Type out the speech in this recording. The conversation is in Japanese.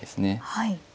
はい。